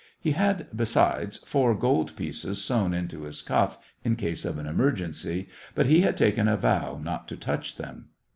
He had, besides, four gold pieces sewn into his cuff, in case of an emergency ; but he had taken a vow not to touch them.